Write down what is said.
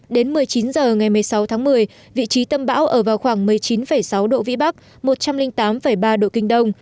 đến một mươi chín h ngày một mươi sáu tháng một mươi vị trí tâm bão ở vào khoảng một mươi chín sáu độ vĩ bắc một trăm linh tám ba độ kinh đông